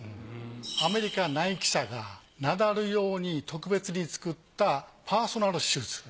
アメリカナイキ社がナダル用に特別に作ったパーソナルシューズ。